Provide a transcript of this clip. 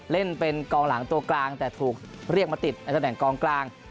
เล่นเป็นกองหลังตัวกลางแต่ถูกเรียกมาติดในตำแหน่งกองกลาง